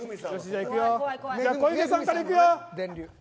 小池さんから行くよ。